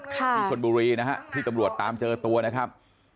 คุณบุรีที่ตำรวจตามเจอตัวนะครับ